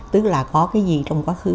tức là có cái gì trong quá khứ